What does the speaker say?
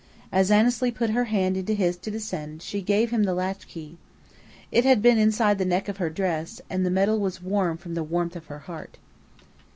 As Annesley put her hand into his to descend she gave him the latchkey. It had been inside the neck of her dress, and the metal was warm from the warmth of her heart.